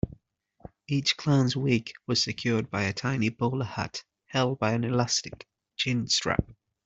Each clown's wig was secured by a tiny bowler hat held by an elastic chin-strap.